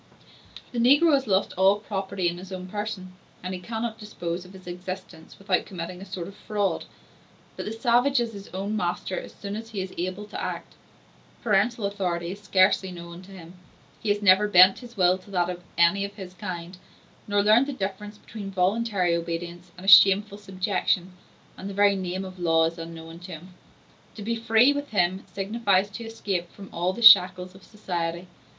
The negro has lost all property in his own person, and he cannot dispose of his existence without committing a sort of fraud: but the savage is his own master as soon as he is able to act; parental authority is scarcely known to him; he has never bent his will to that of any of his kind, nor learned the difference between voluntary obedience and a shameful subjection; and the very name of law is unknown to him. To be free, with him, signifies to escape from all the shackles of society.